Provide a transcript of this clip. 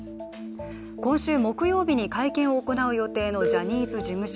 今週木曜日に会見を行う予定のジャニーズ事務所。